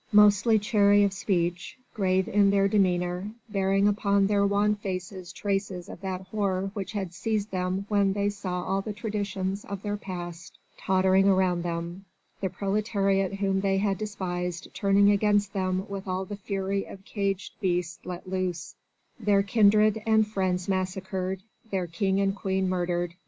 Mostly chary of speech, grave in their demeanour, bearing upon their wan faces traces of that horror which had seized them when they saw all the traditions of their past tottering around them, the proletariat whom they had despised turning against them with all the fury of caged beasts let loose, their kindred and friends massacred, their King and Queen murdered.